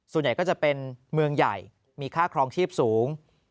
ส่วนใหญ่ก็จะเป็นเมืองใหญ่มีค่าครองชีพสูง